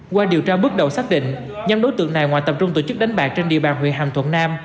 qua điều tra bước đầu xác định nhóm đối tượng này ngoài tập trung tổ chức đánh bạc trên địa bàn huyện hàm thuận nam